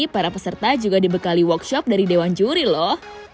para peserta juga dibekali workshop dari dewan juri loh